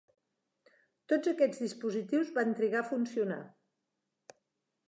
Tots aquests dispositius van trigar a funcionar.